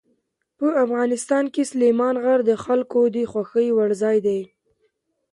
په افغانستان کې سلیمان غر د خلکو د خوښې وړ ځای دی.